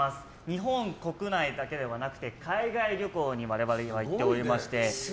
日本国内だけではなくて海外旅行にまで我々は行っておりまして。